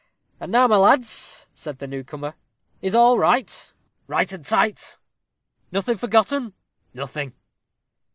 "And now, my lads," said the newcomer, "is all right?" "Right and tight." "Nothing forgotten?" "Nothing."